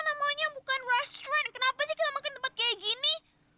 ini mah namanya bukan restoran kenapa sih kita makan tempat kayak gini